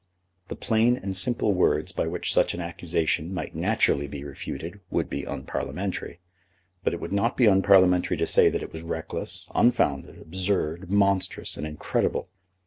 The plain and simple words by which such an accusation might naturally be refuted would be unparliamentary; but it would not be unparliamentary to say that it was reckless, unfounded, absurd, monstrous, and incredible.